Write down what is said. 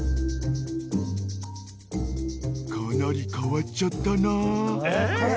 ［かなり変わっちゃったな］